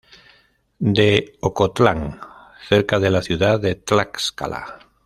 De Ocotlán, cerca de la ciudad de Tlaxcala.